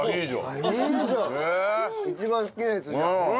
一番好きなやつじゃん。